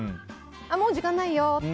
もう時間ないよ。